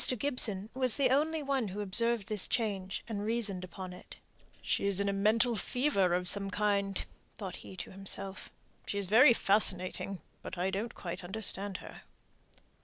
Gibson was the only one who observed this change, and reasoned upon it. "She's in a mental fever of some kind," thought he to himself. "She's very fascinating, but I don't quite understand her."